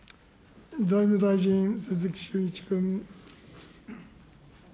財務大臣、鈴木俊一君。